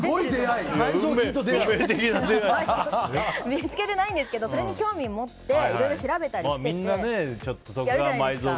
見つけてないんですけどそれに興味を持っていろいろ調べたりしてて。